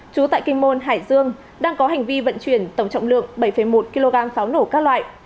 trú tại kinh môn hải dương đang có hành vi vận chuyển tổng trọng lượng bảy một kg pháo nổ các loại